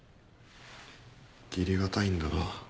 義理堅いんだな。